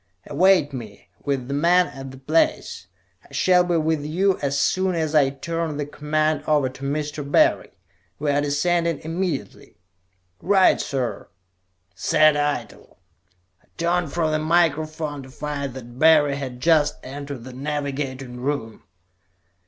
Await me, with the men, at that place. I shall be with you as soon as I turn the command over to Mr. Barry. We are descending immediately." "Right, sir!" said Eitel. I turned from the microphone to find that Barry had just entered the navigating room.